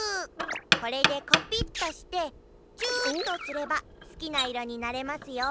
これでコピッとしてチューとすればすきないろになれますよ。